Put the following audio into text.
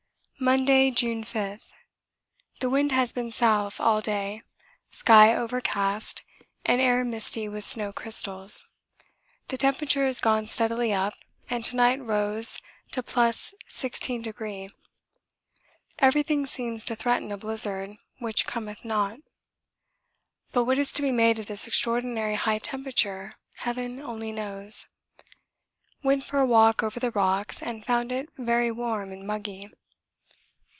Monday, June 5. The wind has been S. all day, sky overcast and air misty with snow crystals. The temperature has gone steadily up and to night rose to + 16°. Everything seems to threaten a blizzard which cometh not. But what is to be made of this extraordinary high temperature heaven only knows. Went for a walk over the rocks and found it very warm and muggy.